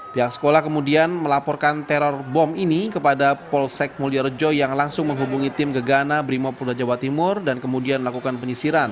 pihak sekolah kemudian melaporkan teror bom ini kepada polsek mulyorejo yang langsung menghubungi tim gegana brimob polda jawa timur dan kemudian melakukan penyisiran